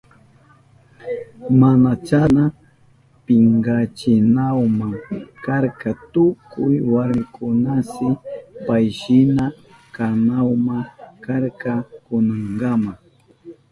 Mana chasna pinkachinahuma karka tukuy warmikunashi payshina kanahuma karka kunankama.